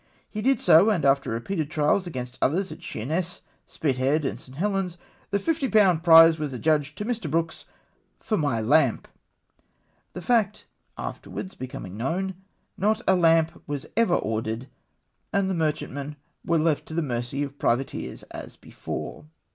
He did so, and after repeated trials against others at Sheerness, Spit head, and St. Helen's, the fifty pound prize was adjudged to Mr. Brooks for my lamp !! The fact afterwards becoming known, not a lamp was ever ordered, and the merchantmen were left to the mercy of privateers as 186 SAIL FROM THE DOWNS. before.